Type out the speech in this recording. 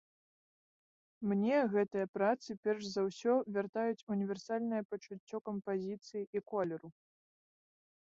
Мне гэтыя працы перш за ўсё вяртаюць універсальнае пачуццё кампазіцыі і колеру.